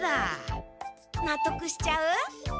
納得しちゃう！